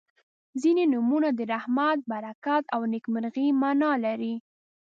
• ځینې نومونه د رحمت، برکت او نیکمرغۍ معنا لري.